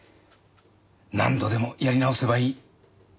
何度でもやり直せばいい。